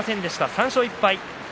３勝１敗。